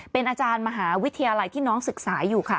เป็นอาจารย์มหาวิทยาลัยที่น้องศึกษาอยู่ค่ะ